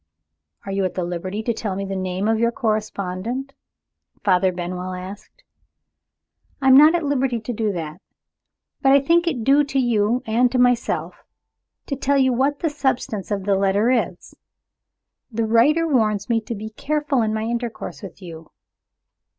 "Are you at liberty to tell me the name of your correspondent?" Father Benwell asked. "I am not at liberty to do that. But I think it due to you, and to myself, to tell you what the substance of the letter is. The writer warns me to be careful in my intercourse with you.